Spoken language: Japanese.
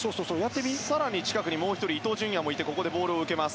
更に近くにもう１人伊東純也もいてここでボールを受けます。